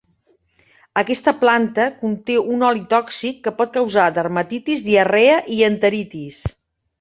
Aquesta planta conté un oli tòxic que pot causar dermatitis, diarrea i enteritis.